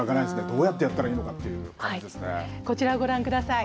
どうやってやったらいいのかといこちらご覧ください。